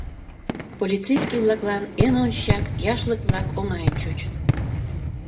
— Полицейский-влаклан эн ончычак яшлык-влак оҥайын чучыт.